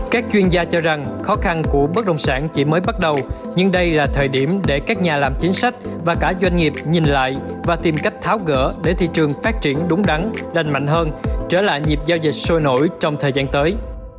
các chuyên gia cho rằng khó khăn của bất động sản chỉ mới bắt đầu nhưng đây là thời điểm để các nhà làm chính sách và cả doanh nghiệp nhìn lại và tìm cách tháo gỡ để thị trường phát triển đúng đắn lành mạnh hơn trở lại nhịp giao dịch sôi nổi trong thời gian tới